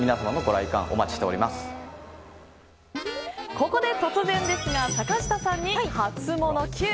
ここで突然ですが坂下さんにハツモノＱ。